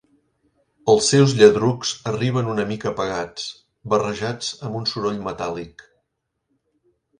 Els seus lladrucs arriben una mica apagats, barrejats amb un soroll metàl·lic.